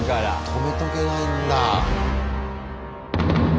泊めとけないんだ。